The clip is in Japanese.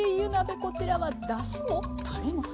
こちらはだしもたれも必要ない。